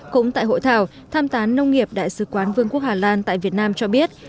cũng tại hội thảo tham tán nông nghiệp đại sứ quán vương quốc hà lan tại việt nam cho biết